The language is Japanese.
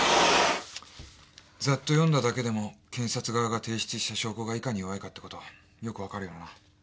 ざっと読んだだけでも検察側が提出した証拠がいかに弱いかってことよく分かるよな。